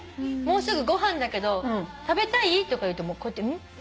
もうすぐご飯だけど食べたい？とか言うとこうやってん？